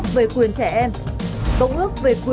thế nên tôi ăn nh frick